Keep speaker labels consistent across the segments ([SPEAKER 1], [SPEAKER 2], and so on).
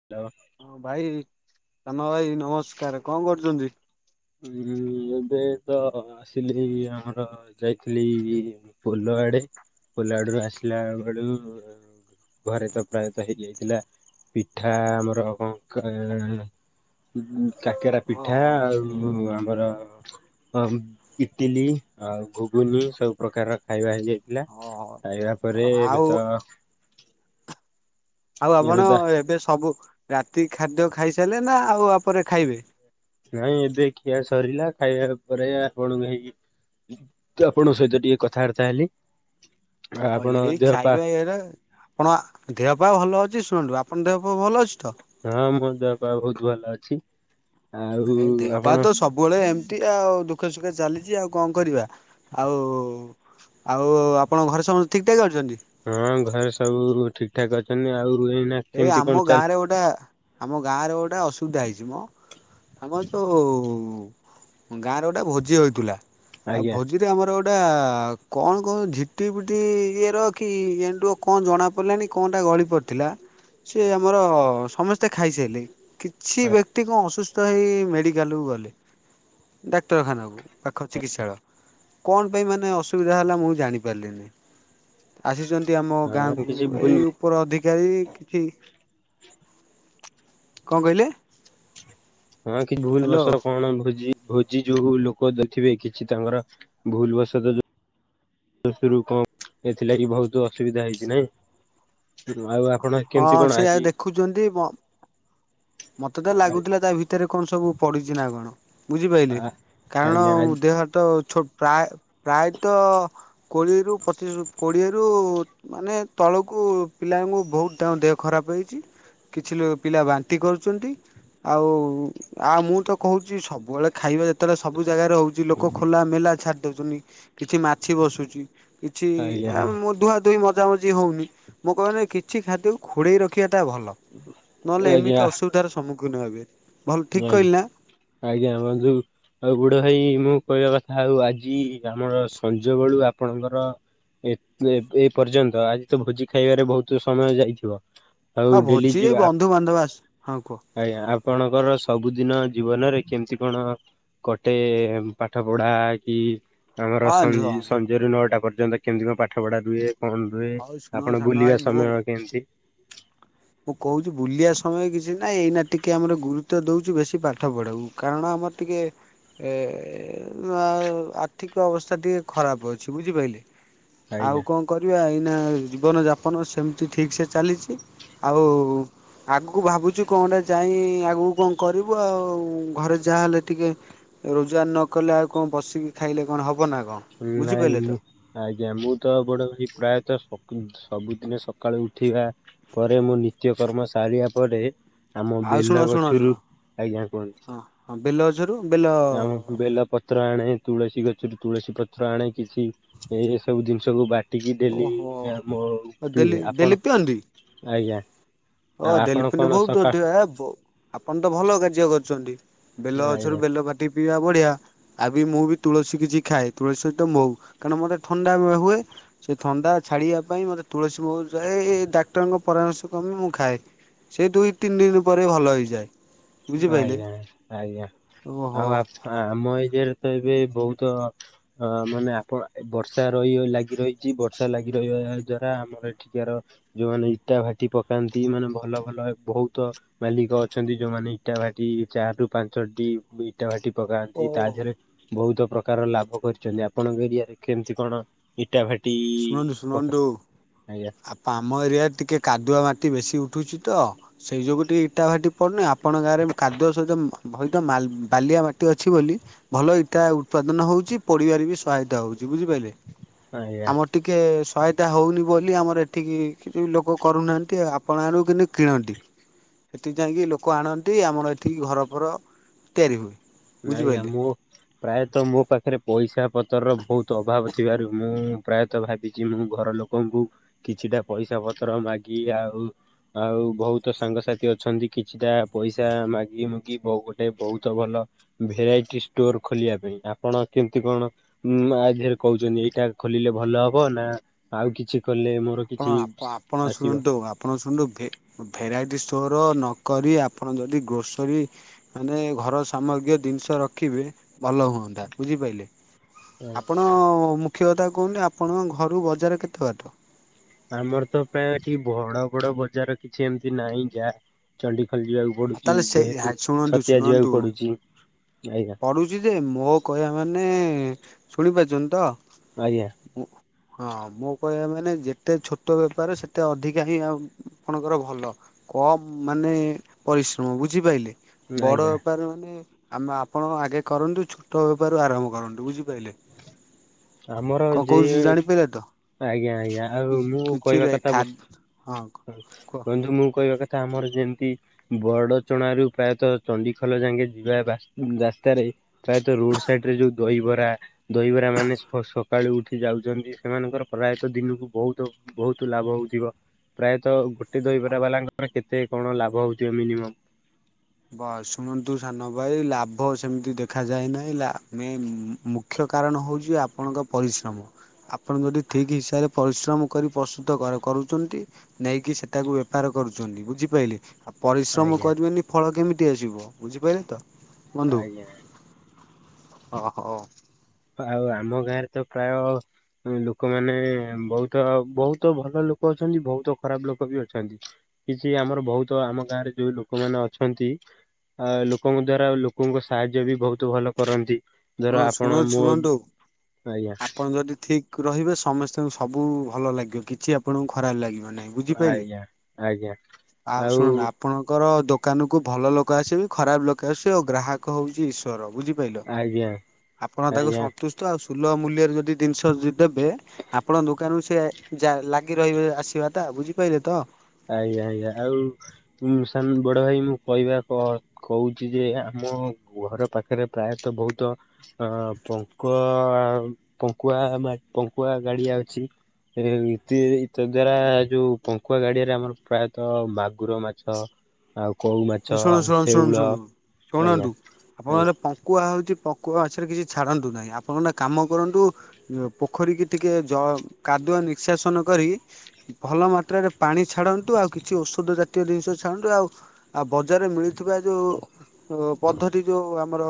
[SPEAKER 1] [inaudible]
[SPEAKER 2] ହଁ ଭାଇ, ସାନ ଭାଇ। ନମସ୍କାର କଣ କରୁଛନ୍ତି?
[SPEAKER 1] ହୁଁ ହୁଁ। ଏବେ ତ ଆସିଲି ଆମର ଯାଇଥିଲି ପୋଲ ଆଡେ। ପୋଲୋ ଆଡୁରୁ ଆସିଲା ବେଳୁ ଘରେ ତ ପ୍ରାୟତଃ ହେଇଯାଇଥିଲା। ପିଠା ଆମର କଣ ଉଁ କାକେରା ପିଠା
[SPEAKER 2] ଓହୋ
[SPEAKER 1] ଆଉ ଆଉ ଆମର ଅ ଇଟିଲି ଆଉ ଘୁଗୁନି ସବୁ ପ୍ରକାର ର ଖାଇବା ହେଇଯାଇ ଲା
[SPEAKER 2] ଓହୋ
[SPEAKER 1] ଖାଇବା ପରେ
[SPEAKER 2] ଆଉ
[SPEAKER 1] ଏବେ ତ
[SPEAKER 2] ଆଉ
[SPEAKER 1] ଏବେ
[SPEAKER 2] ଆପଣ
[SPEAKER 1] ତ
[SPEAKER 2] ଏବେ ସବୁ ରାତି ଖାଦ୍ୟ ଖାଇସାରିଲେ ନା ଆଉ ଆପରେ ଖାଇବେ?
[SPEAKER 1] ନାଇଁ ଏବେ ଖିଆ ସରିଲା ଖାଇବା ପରେ ଆପଣଙ୍କୁ ହେଇକି ଆପଣଙ୍କ ସହିତ ଟିକେ କଥାବାର୍ତ୍ତା ହେଲି।
[SPEAKER 2] ହଉ
[SPEAKER 1] ଆପଣ
[SPEAKER 2] ଏଇ
[SPEAKER 1] ଦେହ ପା
[SPEAKER 2] ଖାଇବା ଏଇରା ଆପଣ ଦେହ ପା ଭଲ ଅଛି ଶୁଣନ୍ତୁ ଆପଣଙ୍କ ଦେହ ପା ଭଲ ଅଛି ତ?
[SPEAKER 1] ହଁ ମୋ ଦେହପା ବୋହୁତ ଭଲ ଅଛି। ଆଉ
[SPEAKER 2] ଏଇ ଦେହପାହ
[SPEAKER 1] ଆପଣ
[SPEAKER 2] ତ ସବୁବେଳେ ଏମତି ଆଉ ଦୁଃଖ ସୁଖ ଚାଲିଛି ଆଉ କଣ କରିବା ଆଉ ଆଉ ଆପଣଙ୍କ ଘରେ ସମସ୍ତେ ଠିକ୍ ଠାକ୍ ଅଛନ୍ତି?
[SPEAKER 1] ହଁ ଘରେ ସବୁ ଠିକ ଠାକ ଅଛନ୍ତି ଆଉ ରୁହ ନା
[SPEAKER 2] ଏଇ ଆମ ଗାଁରେ ଗୋଟେ ଆମ ଗାଁରେ ଗୋଟେ ଅସୁବିଧା ହେଇଛି ମ। ଆମର ଯୋଉ ଗାଁରେ ଗୋଟେ ଭୋଜି ହେଇଥିଲା ଆଉ ଭୋ
[SPEAKER 1] ଆଜ୍ଞା
[SPEAKER 2] ଭୋଜି ରେ ଆମର ଗୋଟା କଣ କଣ ଝିଟି ପିଟି ଇଏ ର କି ଏଣ୍ଡୁଅ କଣ ଜଣାପଡ଼ିଲାଣିି କଣଟା ଗଳି ପଡ଼ିଥିଲା। ସେ ଆମର ସମସ୍ତେ ଖାଇସାରିଲେ କିଛି ବ୍ୟକ୍ତି କଣ ଅସୁ ତ ହେଇ ମେଡ଼ିକାଲକୁ ଗଲେ ଡାକ୍ତରଖାନାକୁ ପାଖ ଚିକିତ୍ସାଳୟ। କଣ ପାଇଁ ମାନେ ଅସୁବିଧା ହେଲା ମୁଁ ଜାଣିପାରିଲିନି। ଆସିଛନ୍ତି ଆମ
[SPEAKER 1] ହଁ
[SPEAKER 2] ଗାଁକୁ
[SPEAKER 1] କିଛି ଭୁଲ
[SPEAKER 2] ଏଇ ଉପର ଅଧିକାରୀ କଣ କହିଲେ?
[SPEAKER 1] ହଁ କି ଭୁଲ
[SPEAKER 2] ହ୍ୟାଲୋ
[SPEAKER 1] ବଶତ କଣ ଭୋଜି ଭୋ ଜି ଯୋଉ ଲୋକ ଦେଖିବେ କିଛି ତାଙ୍କର ଭୁଲବଶତ ଯୋଉ ଏଥିରୁ କଣ ଏଥିଲାଗି ବହୁତ ଅସୁବିଧା ହେଇଛି ନାଇଁ ଆଉ କଣ
[SPEAKER 2] ହଁ
[SPEAKER 1] କେମିତି କଣ
[SPEAKER 2] ସେ ଆଉ
[SPEAKER 1] ଆଜି
[SPEAKER 2] ଦେଖୁଛନ୍ତି ମତେ ତ
[SPEAKER 1] ଆ
[SPEAKER 2] ଲାଗୁଥିଲା ତା ଭିତରେ କଣ ସବୁ ପଡିଛି ନା କଣ।
[SPEAKER 1] ଆ
[SPEAKER 2] ବୁଝିପାରିଲେ କାରଣ
[SPEAKER 1] ଆଜ୍ଞା ଆଜ୍ଞା
[SPEAKER 2] ଦେହ ଛୋ ପ୍ରାୟ ପ୍ରାୟତଃ କୋଡ଼ିଏରୁ ପଚିଶ୍ କୋଡ଼ିଏରୁ ମାନେ ତଳକୁ ପିଲାଙ୍କୁ ବହୁତ ତାଙ୍କ ଦେହ ଖରାପ ହେଇଛି କିଛି ପିଲା ବା ବାନ୍ତି କରୁଛନ୍ତି। ଆଉ ଆଉ ମୁଁ ତ କହୁଛି ସବୁବେଳେ ଖାଇବା ଯେତେବେଳେ ସବୁ ଜାଗାରେ ହଉ କିଛି ଲୋକ ଖୋଲା ମେଲା ଛାଡି ଦଉଛନ୍ତି କିଛି ମାଛି ବସୁଛି। କିଛି ଆ
[SPEAKER 1] ଆଜ୍ଞା
[SPEAKER 2] [unintelligible] ଯାଉଛି ହଉନି ମୁଁ କହି କିଛି ଖାଦ୍ୟ କୁ ଘୋଡ଼େଇ ରଖିବାଟା ଭଲ, ନହେଲେ ଏମିତି ତାର ସମ୍ମୁଖୀନ ହେବେ। ଭଲ ଠିକ
[SPEAKER 1] ଆଇ
[SPEAKER 2] କହିଲି ନା
[SPEAKER 1] ଆଜ୍ଞା [unintelligible] ଆଉ ବୁଡ ଭାଇ ମୁଁ କହିବା କଥା ଆଉ ଆଜି ଆମର ସଞ୍ଜ ବେଳୁ ଆପଣଙ୍କର ଏତେ ଏ ପର୍ଯ୍ୟନ୍ତ ଆଜି ତ ଭୋଜି ଖାଇବାରେ ବହୁତ ସମୟ ଯାଇଥିବ। ଆଉ
[SPEAKER 2] ହଁ
[SPEAKER 1] ଡେଲି
[SPEAKER 2] ଭୋଜି ରେ
[SPEAKER 1] ଯିବା
[SPEAKER 2] ବନ୍ଧୁବାନ୍ଧବ ଆସ ହଁ କୁହ।
[SPEAKER 1] ଆଜ୍ଞା ଆପଣଙ୍କର ସବୁଦିନ ଜୀବନରେ କେମତି କଣ କଟେ ପାଠ ପଢା କି ତାଙ୍କ ଘର
[SPEAKER 2] ହଁ
[SPEAKER 1] ସଂଜୀ
[SPEAKER 2] ଝୁଅ
[SPEAKER 1] ସଞ୍ଜ ସଞ୍ଜରରୁ ନଅଟା ପର୍ଯ୍ୟନ୍ତ କେମିତି କଣ ପାଠ ପଢା ରୁହେ। କଣ ରୁହେ
[SPEAKER 2] ହଉ ଶୁଣ
[SPEAKER 1] ଆପଣ
[SPEAKER 2] ସାନ ଭାଇ
[SPEAKER 1] ବୁଲିବା
[SPEAKER 2] ମୁଁ
[SPEAKER 1] ସମୟ କେମତି।
[SPEAKER 2] ମୁଁ କହୁଛି ବୁଲିବା ସମୟ କିଛି ନାହିଁ ଏଇନା ଟିକେ ଆମର ଗୁରୁତ୍ୱ ଦଉଛୁ ବେଶୀ ପାଠ ପଢାକୁ। କାରଣ ଆମର ଟିକେ ଏ ଆଉ ଆର୍ଥିକ ଅବସ୍ଥା ଟିକେ ଖରାପ ଅଛି ବୁଝିପାଇଲେ? ଆଉ
[SPEAKER 1] ଆଜ୍ଞା।
[SPEAKER 2] କଣ କରିବା ଏଇନା ଜୀବନ ଯାପନ ସେମିତି ଠିକ ସେ ଚାଲିଛି। ଆଉ ଆଗକୁ ଭାବୁଛୁ କଣଗୋଟା ଯାଇ ଆଗକୁ କଣ କରିବୁ ଆଉ ଘରେ ଯାହାହେଲେ ଟିକେ ରୋଜଗାର ନ କଲେ ଆଉ କଣ ବସିକି ଖାଇଲେ କଣ ହବ ନା କଣ। ବୁଝିପାରିଲେ ତ
[SPEAKER 1] [unintelligible] ଆଜ୍ଞା ମୁଁ ତ ବଡ ଭାଇ ପ୍ରାୟତଃ ସକୁ ସବୁଦିନେ ସକାଳୁ ଉଠିବା ପରେ ମୁଁ ନିତ୍ୟ କର୍ମ ସାରିବା ପରେ ଆମ
[SPEAKER 2] ଆଉ ଶୁଣ
[SPEAKER 1] ବେଲ
[SPEAKER 2] ଶୁଣ ଶୁଣ
[SPEAKER 1] ଗଛରୁ ଆଜ୍ଞା
[SPEAKER 2] ହଁ ହଁ ବେଲ ଗଛରୁ ବେଲ
[SPEAKER 1] କୁହନ୍ତୁ ଆମ ବେଲ ପ ତ୍ର ଆଣେ ତୁଳସୀ ଗଛରୁ ତୁଳସୀ ପତ୍ର ଆଣେ କିଛି ଏ ଏସବୁ ଜିନିଷକୁ ବା ଟିକି ଡେଲି
[SPEAKER 2] ଓହୋ
[SPEAKER 1] ଆମ ପି
[SPEAKER 2] ଦେଲି ଦେଲି
[SPEAKER 1] ଆପଣ ଆଜ୍ଞା
[SPEAKER 2] ହ
[SPEAKER 1] ଆପଣ
[SPEAKER 2] ଦେଲିପିନ
[SPEAKER 1] କଣ
[SPEAKER 2] ବହୁତ
[SPEAKER 1] ସକାଳ
[SPEAKER 2] ଅଧିକ ଏ ବ ଆପଣ ତ ଭଲ କାର୍ଯ୍ୟ କରୁଛନ୍ତି। ବେଲ ଗଛରୁ
[SPEAKER 1] ଆଜ୍ଞା
[SPEAKER 2] ବେଲ କାଟିକି ପିଇବା ବଢିଆ। ଆ ବି ମୁଁ ବି ତୁଳସୀ କିଛି ଖାଏ ତୁଳସୀ ସହିତ ମହୁ କାରଣ ମତେ ଥଣ୍ଡା ହୁଏ। ସେ ଥଣ୍ଡା ଛାଡିବା ପାଇଁ ମତେ ତୁଳସୀ ମହୁ ଯାଏ ଡାକ୍ତରଙ୍କ ପରାମର୍ଶ କମି ମୁଁ ଖାଏ ସେ ଦୁଇ ତିନି ଦିନ ପରେ ଭଲ ହୋଇଯାଏ।
[SPEAKER 1] ଆଜ୍ଞା ଆଜ୍ଞା
[SPEAKER 2] ଓହୋ
[SPEAKER 1] ଆଉ ଆମ ଇଏରେ ତ ଏବେ ବହୁତ ଅ ମାନେ ଆପ ବର୍ଷା ରହି ଲାଗି ରହିଛି ବର୍ଷା ଲାଗି ରହିବା ଦ୍ଵାରା ଆମର ଏଠିକାର ଯୋଉମାନେ ଇଟା ଭାଟି ପକାନ୍ତି ମାନେ ଭଲ ଭଲ ବହୁତ ମାଲିକ ଅଛନ୍ତି ଯୋଉମାନେ ଇଟା ଭାଟି ଚାରିରୁ ପାଞ୍ଚଟି ଇଟା ଭାଟି ପକାନ୍ତି ତା
[SPEAKER 2] ଓହୋ।
[SPEAKER 1] ଦେହରେ ବହୁତ ପ୍ରକାର ଲାଭ କରିଛନ୍ତି ଆପଣଙ୍କ ଏରିଆରେ କେମିତି କଣ ଇଟା ଭାଟି
[SPEAKER 2] ଶୁଣନ୍ତୁ
[SPEAKER 1] ପକା
[SPEAKER 2] ଶୁଣନ୍ତୁ
[SPEAKER 1] ଆଜ୍ଞା
[SPEAKER 2] ଆପ ଆମ ଏରିଆରେ ଟିକେ କାଦୁଆ ମାଟି ବେଶୀ ଉଠୁଛି ତ ସେଇ ଯୋଗୁଁ ଟିକେ ଇଟା ଭାଟି ପଡ଼ୁନି ଆପଣଙ୍କ ଗାଁରେ କାଦୁଅ ସହିତ ହଇତ ବାଲିଆ ମାଟି ଅଛି ବୋଲି ଭଲ ଇଟା ଉତ୍ପାଦନ ହଉଛି ପଡିବାରେ ବି ସହାୟତା ହଉଛି ବୁଝିପାଇଲେ
[SPEAKER 1] ଆଜ୍ଞା
[SPEAKER 2] ଆମର ଟିକ ଟିକେ ସହାୟତା ହଉନି ବୋଲି ଆମର ଏଠିକି କିଛି ଲୋକ କରୁନାହାନ୍ତି ଆପଣ ଆଡୁ କିନ୍ତୁ କିଣନ୍ତି। ସେଠି ଯାଇକି ଲୋକ ଆଣନ୍ତି ଆମର ଏଠିକି ଘରଫର ତିଆରି ହୁଏ।
[SPEAKER 1] ନାଇଁ ଆ
[SPEAKER 2] ବୁଝିପାରିଲେ।
[SPEAKER 1] ମୋ ପ୍ରାୟତଃ ମୋ ପାଖରେ ପଇସା ପତ୍ରର ବହୁତ ଅଭାବ ଥିବାରୁ ମୁଁ ପ୍ରାୟତଃ ଭାବିଛି ମୁଁ ଘର ଲୋକ ଲୋକଙ୍କୁ କିଛିଟା ପଇସା ପତ୍ର ମାଗି ଆଉ ଆଉ ବହୁତ ସାଙ୍ଗସାଥି ଅଛନ୍ତି କିଛିଟା ପଇସା ମାଗି ମୁଗି ଗୋଟେ ବହୁତ ଭଲ ଭେରାଇଟି ଷ୍ଟୋର ଖୋଲିବା ପାଇଁ ଆପଣ କେମିତି କଣ ଉଁ ଆ ଦିହେରେ କହୁଛନ୍ତି ଏଇଟା ଖୋଲିଲେ ଭଲ ହବ ନା ଆଉ କିଛି କଲେ ମୋର କିଛି
[SPEAKER 2] କଣ ଆପ ଆପଣ
[SPEAKER 1] ଆସିବ।
[SPEAKER 2] ଶୁଣନ୍ତୁ ଆପ ଆପଣ ଶୁଣନ୍ତୁ ଭେ ଭେରାଇଟି ଷ୍ଟୋର ନକରି ଆପଣ ଯଦି ଗ୍ରୋସରୀ ମାନେ ଘର ସାମଗ୍ରୀୟ ଜିନିଷ ରଖିବେ ଭଲ ହୁଅନ୍ତା ବୁଝିପାରିଲେ? ଆପଣ ମୁଖ୍ୟ କଥା କୁହନ୍ତୁ ଆପଣଙ୍କ ଘରୁ ବଜାର କେତେ ବାଟ?
[SPEAKER 1] ଆମର ତ ପ୍ରାୟଏଠି ବଡ ବଡ ବଜାର କିଛି ଏମିତି ନାହିଁ ଯାହା ଚଣ୍ଡିଖୋଲ ଯିବାକୁ
[SPEAKER 2] ଆଉ
[SPEAKER 1] ପଡୁଛି
[SPEAKER 2] ତାହେଲେ ସେ
[SPEAKER 1] ଯେହେତୁ
[SPEAKER 2] ଶୁଣନ୍ତୁ
[SPEAKER 1] ଛତିଆ ଯିବାକୁ ପଡୁଚି ଆଜ୍ଞା।
[SPEAKER 2] ପଡ଼ୁଛି ଯେ ମୋ କହିବା ମାନେ ଶୁଣିପାରୁଛନ୍ତି ତ
[SPEAKER 1] ଆଜ୍ଞା।
[SPEAKER 2] ମୁଁ ହଁ ମୋ କହିବା ମାନେ ଯେତେ ଛୋଟ ବେପାର ସେତେ ଅଧିକା ହିଁ ଆ ଆପଣଙ୍କର ଭଲ କମ୍ ମାନେ ପରିଶ୍ରମ ବୁଝିପାଇଲେ? ବଡ଼
[SPEAKER 1] ଆଜ୍ଞା
[SPEAKER 2] ବେପାର ମାନେ ଆମେ ଆପଣ ଆଗେ କରନ୍ତୁ। ଛୋଟ ବେପାର ଆରମ୍ଭ କରନ୍ତୁ ବୁଝିପାରିଲେ।
[SPEAKER 1] ଆମର ଯେ
[SPEAKER 2] ଜାଣିପାରିଲେ ତ
[SPEAKER 1] ଆଜ୍ଞା। ଆଜ୍ଞା। ଆଉ
[SPEAKER 2] କିଛି
[SPEAKER 1] ମୁଁ କହିବା
[SPEAKER 2] କିଛିରେ
[SPEAKER 1] କଥା
[SPEAKER 2] ଖା
[SPEAKER 1] ବ
[SPEAKER 2] ହଁ
[SPEAKER 1] ହ
[SPEAKER 2] କୁହ।
[SPEAKER 1] ବନ୍ଧୁ ମୁଁ କହିବା କଥା ଆମର ଯେମିତି ବଡ ଚଣାରୁ ପ୍ରାୟତଃ ଚଣ୍ଡିଖୋଲ ଯାଙ୍କେ ଯିବା ବା ରାସ୍ତାରେ ପ୍ରାୟତ ରୋଡ ସାଇଡ ରେ ଯୋଉ ଦହିବରା। ଦହିବରା ମାନେ ସକାଳୁ ଉଠି ଯାଉଛନ୍ତି। ସେମାନଙ୍କର ପ୍ରାୟତଃ ଦିନକୁ ବହୁତ ବହୁତ ଲାଭ ହଉଥିବ। ପ୍ରାୟତଃ ଗୋଟେ ଦହିବରା ବାଲାଙ୍କର କେତେ କଣ ଲାଭ ହଉଥିବ ମିନିମମ୍?
[SPEAKER 2] ବସ୍ ଶୁଣନ୍ତୁ ସାନ ଭାଇ ଲାଭ ସେମିତି ଦେଖା ଯାଏ ନାହିଁ। ଲା ଆମେ ମୁଖ୍ୟ କାରଣ ହଉଛି ଆପଣଙ୍କ ପରିଶ୍ରମ। ଆପଣ ଯଦି ଠିକ୍ ହିସାବରେ ପରିଶ୍ରମ କରି ପ୍ରସ୍ତୁତ କ କରୁଛନ୍ତି ନେଇକି ସେଟାକୁ ବେପାର କରୁଛନ୍ତି ବୁଝିପାରିଲେ? ପରିଶ୍ରମ
[SPEAKER 1] ଆଜ୍ଞା।
[SPEAKER 2] କରିବେନି ଫଳ କେମିତି ଆସିବ। ବୁଝିପାରିଲେ ତ ବନ୍ଧୁ?
[SPEAKER 1] ଆଜ୍ଞା
[SPEAKER 2] ହଁ ହଉ।
[SPEAKER 1] ଆଉ ଆମ ଗାଁରେ ତ ପ୍ରାୟ ଲୋକମାନେ ବହୁତ ବହୁତ ଭଲ ଲୋକ ଅଛନ୍ତି। ବହୁତ ଖରାପ ଲୋକ ବି ଅଛନ୍ତି। କିଛି ଆମର ବହୁତ ଆମ ଗାଁ ରେ ଯୋଉ ଲୋକମାନେ ଅଛନ୍ତି ଅ ଲୋକଙ୍କ ଦ୍ଵାରା ଲୋକଙ୍କ ସାହାଯ୍ୟ ବି ବହୁତ ଭଲ କରନ୍ତି।
[SPEAKER 2] ଶୁଣ
[SPEAKER 1] ଧର
[SPEAKER 2] ଶୁଣ
[SPEAKER 1] ଆପଣ ମୋ
[SPEAKER 2] ଶୁଣନ୍ତୁ
[SPEAKER 1] ଆଜ୍ଞା
[SPEAKER 2] ଆପଣ ଯଦି ଠିକ୍ ରହିବେ ସମସ୍ତଙ୍କୁ ସବୁ ଭଲ ଲାଗିବ କିଛି ଆପଣଙ୍କୁ ଖରାପ ଲାଗିବ ନାହିଁ। ବୁଝି ପାଇଲେ?
[SPEAKER 1] ଆଜ୍ଞା ଆଜ୍ଞା
[SPEAKER 2] ଆଉ ଶୁଣ ନା ଆପଣଙ୍କର ଦୋକାନ କୁ ଭଲ ଲୋକ ଆସିବେ, ଖରାପ ଲୋକ ଆସିବେ, ଆଉ ଗ୍ରାହକ ହଉଛି ଈଶ୍ଵର ବୁଝିପାଇଲେ?
[SPEAKER 1] ଆାଜ୍ଞା।
[SPEAKER 2] ଆପଣ ତାକୁ ସନ୍ତୁଷ୍ଟ ଆଉ ସୁଲଭ ମୂଲ୍ୟରେ ଯଦି ଜିନିଷ ଦି ଦେବେ ଆପଣଙ୍କ ଦୋକାନରୁୁ ସେ ଯା ଲାଗି ରହିବେ ଆସିବା ତା ବୁଝିପାରିଲେ ତ?
[SPEAKER 1] ଆଜ୍ଞା ଆଜ୍ଞା ଆଉ ମୁଁ ସା ବଡ ଭାଇ ମୁଁ କହିବା କ କହୁଛି ଯେ ଆମ ଘର ପାଖରେ ପ୍ରାୟତଃ ବହୁତ ହଁ ପଙ୍କ ପଙ୍କୁଆ ମା ପଙ୍କୁଆ ଗାଡିଆ ଅଛି। ତ ଦ୍ଵାରା ଯୋଉ ପଙ୍କୁୁଆ ଗାଡିଆ ଆମର ପ୍ରାୟତଃ ମାଗୁର ମାଛ ଆଉ କୋଉ ମା
[SPEAKER 2] ହ ଶୁଣୁ ଶୁଣୁ ଶୁଣୁ ଶୁଣୁ ଶୁଣନ୍ତୁ
[SPEAKER 1] ଆଜ୍ଞା।
[SPEAKER 2] ଆପଣମାନେ ପକୁଆ ହେଉଛି ପଙ୍କୁଆ ମାଛରେ କିଛି ଛାଡ଼ନ୍ତୁ ନାହିଁ। ଆପଣମାନେେ କାମ କରନ୍ତୁ। ପୋଖରୀ କି ଟିକେ ଜ କାଦୁଆ ନିଶଶାସନ କରି ଭଲ ମାତ୍ରାରେ ପାଣି ଛାଡ଼ନ୍ତୁ ଆଉ କିଛି ଔଷଧ ଜାତୀୟ ଜିନିଷ ଛାଡନ୍ତୁ ଆଉ ଆଉ ବଜାରରେ ମିଳୁଥିବା ଯୋଉ ଅ ପଧତି ଯୋଉ ଆମର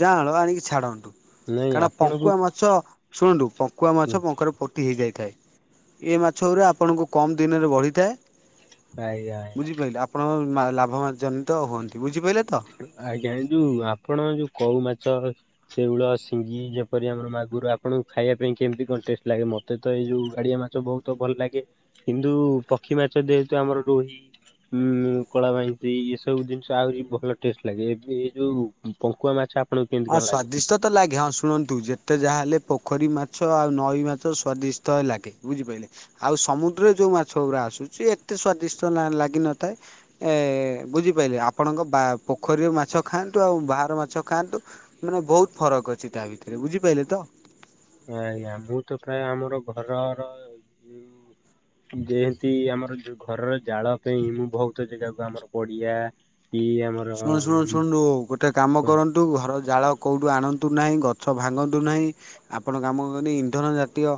[SPEAKER 2] ଜାଆଁଳ ଆଣିକି ଛାଡ଼ନ୍ତୁ
[SPEAKER 1] ନାଇଁ
[SPEAKER 2] କାରଣ
[SPEAKER 1] ଆପଣଙ୍କୁ
[SPEAKER 2] ପଙ୍କୁଆ ମାଛ ଶୁଣନ୍ତୁ ପଙ୍କୁଆ ମାଛ ପଙ୍କରେ ତି ହୋଇଯାଇଥାଏ। ଏ ମାଛ ଗୁଡ଼ା ଆପଣଙ୍କୁ କମ୍ ଦିନରେ ବଢ଼ିଥାଏ।
[SPEAKER 1] ଆଜ୍ଞା
[SPEAKER 2] ବୁଝିପାରିଲେ ଆପଣ ଲାଭ ଜନିତ ହୁଅନ୍ତି। ବୁଝିପାରିଲେ ତ?
[SPEAKER 1] ଆଜ୍ଞା। ଯୋଉ ଆପଣ ଯୋଉ କଉ ମାଛ ସେଉଳ, ସିଙ୍ଗି, ଯେପରି ଆମର ମାଗରୁ ଆପଣଙ୍କୁ ଖାଇବା ପାଇଁ କେମିତି କଣ ଟେଷ୍ଟ ଲାଗେ ମତେ ମତେ ତ ଏଇ ଯୋଉ ଗାଡିଆ ମାଛ ବୋହୁତ ଭଲ ଲାଗେ କିନ୍ତୁ ପକ୍ଷୀ ମାଛ ଯେହେତୁ ଆମର ରୋହି ଉଁ କଳା ବାଇତେଇ ଏସବୁ ଜିନିଷ ଆହୁରି ଭଲ। ଟ ଲାଗେ ଏ ଏଇ ଯୋଉ ପଙ୍କୁଆ ମାଛ। ଆପଣଙ୍କୁ କେମିତି
[SPEAKER 2] ହଁ
[SPEAKER 1] କଣ ଲାଗେ?
[SPEAKER 2] ସ୍ଵାଦିଷ୍ଟ ତ ଲାଗେ ହଁ ଶୁଣନ୍ତୁ ଯେତେ ଯାହାହେଲେ ପୋଖରୀ ମାଛ ଆଉ ନଈ ମାଛ ସ୍ବାଦିଷ୍ଟ ଲାଗେ ବୁଝିପାଇଲେ। ଆଉ ସମୁଦ୍ରରେ ଯୋଉ ମାଛ‌ଉରା ଆସୁଚି ଏତେ ସ୍ଵାଦିଷ୍ଟ ଲା-ଲାଗିନଥାଏ। ଏ ବୁଝିପାଇଲି ଆପଣଙ୍କ ବା ପୋଖରୀରେ ମାଛ ଖାଆନ୍ତୁ ଆଉ ବାହାର ମାଛ ଖାଆନ୍ତୁ। ମାନେ ବୋହୁତ ଫରକ ଅଛି ତା ଭିତରେ ବୁଝିପାଇଲେ ତ।
[SPEAKER 1] ଆଜ୍ଞା ମୁଁ ତ ପ୍ରାୟ ଆମର ଘରର ଯୋଉ ଯେମତି ଆମର ଯୋଉ ଘରର ଜାଳ ପାଇଁ ମୁଁ ବୋହୁତ ଜାଗାକୁ ଆମର ପଡିଆ ଇଏ ଆମର
[SPEAKER 2] ଶୁଣ ଶୁଣ ଶୁଣନ୍ତୁ ଗୋଟେ କାମ କରନ୍ତୁ ଘରର ଜାଳ କୋଉଠୁ ଆଣନ୍ତୁ ନାହିଁ ଗଛ ଭାଙ୍ଗନ୍ତୁ ନାହିଁ। ଆପଣ କାମ କରି ଇନ୍ଧନ ଜାତୀୟ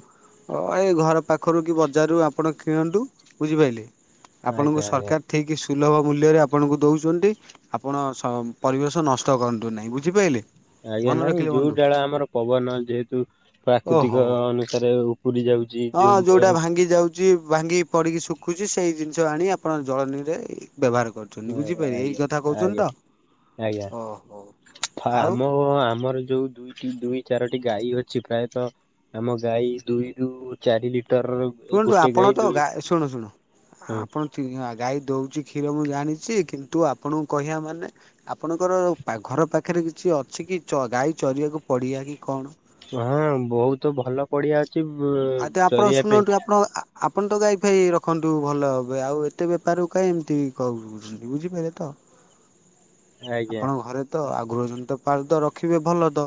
[SPEAKER 2] ହଁ ଏଇ ଘର ପାଖରୁ କି ବଜାରରୁ ଆପଣ କିଣନ୍ତୁ ବୁଝିପାଇଲେ। ଆପଣଙ୍କୁ
[SPEAKER 1] ଆଜ୍ଞା ଆଜ୍ଞା
[SPEAKER 2] ସରକାର ଠିକ୍ ସୁଲଭ ମୂଲ୍ୟରେ ଆପଣଙ୍କୁ ଦଉଚନ୍ତି। ଆପଣ ଶ ପରିବେଶ ନଷ୍ଟ କରନ୍ତୁ ନାହିଁ ବୁଝିପାଇଲେ।
[SPEAKER 1] ଆଜ୍ଞା
[SPEAKER 2] ମନେ
[SPEAKER 1] ନାଇଁ
[SPEAKER 2] ରଖିଲେ
[SPEAKER 1] ଯୋଉ
[SPEAKER 2] ବନ୍ଧୁ।
[SPEAKER 1] ଡାଳ ଆମର ପବନ ଯେହେତୁ
[SPEAKER 2] ଓହୋ।
[SPEAKER 1] ପ୍ରାକୃତିକ ଅ-ଅନୁସାରେ ଉପୁଡି ଯାଉ
[SPEAKER 2] ହଁ ଯୋଉଟା ଭାଙ୍ଗି ଯାଉ ଯିଏ ଭାଙ୍ଗିକି ପଡିକି ଶୁଖୁଚି ସେଇ ଜିନିଷ ଆଣି ଆପଣ ଜଳଣିରେ ଇ ବ୍ୟବହାର କ ଚନ୍ତି [unintelligible] ବୁଝିପାଇଲି ଏଇ
[SPEAKER 1] ଆଜ୍ଞା
[SPEAKER 2] କଥା କୋହୁଚନ୍ତି
[SPEAKER 1] ଆଜ୍ଞା
[SPEAKER 2] ତ।
[SPEAKER 1] ଆଜ୍ଞା
[SPEAKER 2] ଓହୋ।
[SPEAKER 1] ଫା [unintelligible]
[SPEAKER 2] ଆଉ
[SPEAKER 1] ଆମ ଆମର ଯୋଉ ଦୁଇ ଦୁଇ ଚାରୋଟି ଗାଈ ଅଛି ପ୍ରାୟତଃ ଆମ ଗାଈ ଦୁଇରୁ ଚାରି ଲିଟରର
[SPEAKER 2] ଶୁଣନ୍ତୁ ଆପଣ ତ ଗା ଶୁଣୁ ଶୁଣୁ ଆପ [unintelligible] ହାଁ ଗାଈ ଦୋଉଚି କ୍ଷୀର ମୁଁ ଜାଣିଛି କିନ୍ତୁ ଆପଣଙ୍କୁ କହିବା ମାନେ ଆପଣଙ୍କର ପା ଘର ପାଖରେ କିଛି ଅଛି କି ଚ ଗାଈ ଚରିବାକୁ ପଡିଆ କି କଣ?
[SPEAKER 1] ହଁ ବୋହୁତ ଭଲ ପଡିଆ ଅଛି
[SPEAKER 2] ଆଉ ତ
[SPEAKER 1] [unintelligible]
[SPEAKER 2] ଆପଣ
[SPEAKER 1] ଚରିବା
[SPEAKER 2] ଶୁଣନ୍ତୁ
[SPEAKER 1] ପାଇଁ।
[SPEAKER 2] ଆପଣ ଆପଣ ତ ଗାଈ ଫାଇ ରଖନ୍ତୁ ଭଲ ହବେ ଆଉ ଏତେ ବେପାରକୁ କାଇଁ ଏମିତି କହୁ [unintelligible] ବୁଝିପାଇଲ ତ?
[SPEAKER 1] ଆଜ୍ଞା
[SPEAKER 2] ଆପଣଙ୍କ ଘରେ ତ ଆ ଗୃହଜନିତ ପାଳୁତ ରଖିବେ ଭଲ ତ।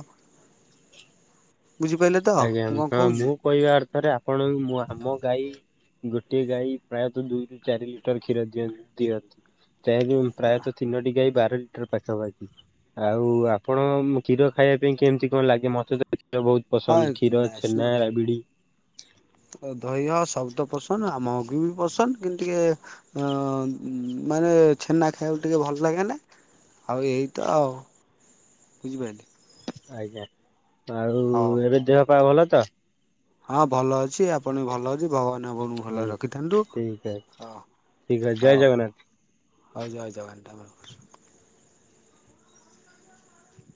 [SPEAKER 2] ବୁଝିପାଇଲେ ତ
[SPEAKER 1] ଆଜ୍ଞା
[SPEAKER 2] ମୁଁ କଣ
[SPEAKER 1] ହଁ
[SPEAKER 2] କୋହୁଚି?
[SPEAKER 1] ମୁଁ କହିବା ଅର୍ଥରେ ଆପଣ ମୁଁ ଆମ ଗାଈ ଗୋଟିଏ ଗାଈ ପ୍ରାୟତ ଦୁଇରୁୁ ଚାରି ଲିଟର କ୍ଷୀର ଦିଅ-ଟ ଦିଅନ୍ତି। ସେ ଯୋଉ [unintelligible] ପ୍ରାୟତ ତିନୋଟି ଗାଈ ବାର ଲିଟର ପାଖାପାଖି [unintelligible] ଆଉ ଆପଣ କ୍ଷୀର ଖାଇବା ପାଇଁ କେମିତି କଣ ଲାଗେ ମତେ ତ କ୍ଷୀର ବୋହୁତ
[SPEAKER 2] ହଁ
[SPEAKER 1] ପସନ୍ଦ କ୍ଷୀର, ଛେନା, ରାବିଡ୍
[SPEAKER 2] ଆ ଦହିୟ ସବୁ ତ ପସନ୍ଦ ଆଉ ଆମକୁ ବି ପସନ୍ଦ କିନ୍ତୁ ଟିକେ ଅଁ ମାନେ ଛେନା ଖାଇବାକୁ ଟିକେ ଭଲ ଲାଗେ ନା। ଆଉ ଏଇ ତ ଆଉ ବୁଝିପାଇଲେ?
[SPEAKER 1] ଆଜ୍ଞା ଆଉ
[SPEAKER 2] ହଉ
[SPEAKER 1] ଏବେ ଦେହ ପା ଭଲ ତ?
[SPEAKER 2] ହଁ ଭଲ ଅଛି। ଆପଣ ବି ଭଲ ଅଛି। ଭଗବାନ ଆପଣଙ୍କୁ ଭଲରେ ରଖିଥାନ୍ତୁ
[SPEAKER 1] ଠିକ ଅଛି
[SPEAKER 2] ହଁ
[SPEAKER 1] ଠିକ ଅଛି ଜୟ
[SPEAKER 2] ହୋଉ।
[SPEAKER 1] ଜଗନ୍ନାଥ।
[SPEAKER 2] ହୋଉ ଜୟେ [unintelligible]